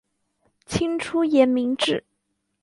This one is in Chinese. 清初沿明制。